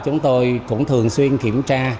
chúng tôi cũng thường xuyên kiểm tra